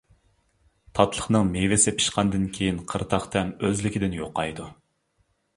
تاتلىقنىڭ مېۋىسى پىشقاندىن كېيىن قىرتاق تەم ئۆزلۈكىدىن يوقايدۇ.